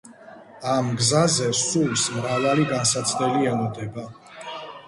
ამ გზაზე სულს მრავალი განსაცდელი ელოდება.